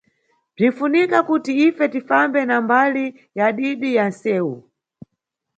Bzinʼfunika kuti ife tifambe na mbali ya didi ya nʼsewu.